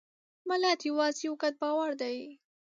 ملت یوازې یو ګډ باور دی.